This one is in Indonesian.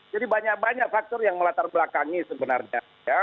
jadi banyak banyak faktor yang melatar belakangnya sebenarnya